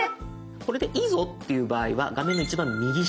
これでいいぞっていう場合は画面の一番右下。